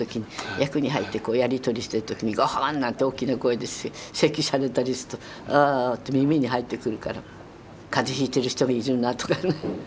役に入ってこうやり取りしてる時にゴホンなんて大きな声でせきされたりするとああって耳に入ってくるから風邪ひいてる人いるなとかね。